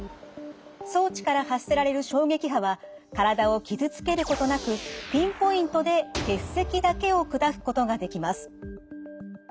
装置から発せられる衝撃波は体を傷つけることなくピンポイントで結石だけを砕くことができます。